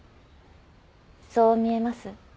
そう見えます？